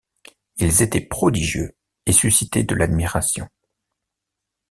Ils étaient prodigieux, et suscitaient de l'admiration.